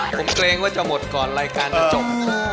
ผมเกรงว่าจะหมดก่อนรายการจะจบ